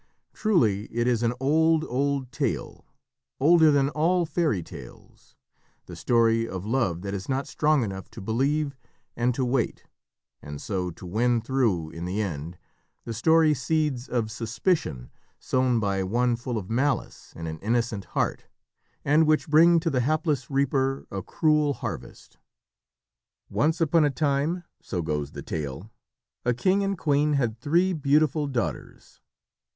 Truly it is an old, old tale older than all fairy tales the story of love that is not strong enough to believe and to wait, and so to "win through" in the end the story of seeds of suspicion sown by one full of malice in an innocent heart, and which bring to the hapless reaper a cruel harvest. Once upon a time, so goes the tale, a king and queen had three beautiful daughters.